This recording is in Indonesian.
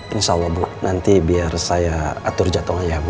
insya allah bu nanti biar saya atur jatohnya bu